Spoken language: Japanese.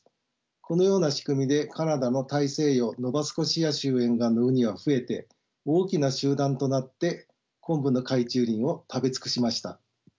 このような仕組みでカナダの大西洋ノバスコシア州沿岸のウニは増えて大きな集団となってコンブの海中林を食べ尽くしました。